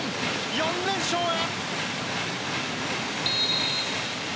４連勝へ。